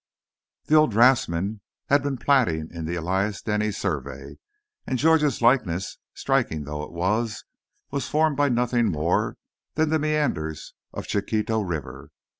The old draughtsman had been platting in the Elias Denny survey, and Georgia's likeness, striking though it was, was formed by nothing more than the meanders of Chiquito River.